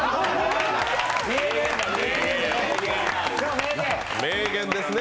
名言ですね。